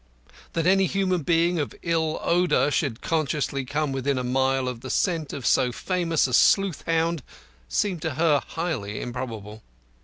That any human being of ill odour should consciously come within a mile of the scent of so famous a sleuth hound seemed to her highly improbable.